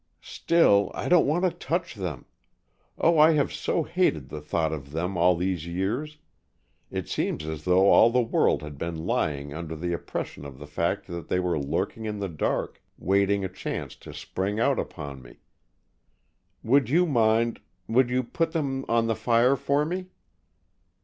"Still, I don't want to touch them! Oh, I have so hated the thought of them all these years, it seems as though all the world had been lying under the oppression of the fact that they were lurking in the dark, waiting a chance to spring out upon me. Would you mind would you put them on the fire for me?"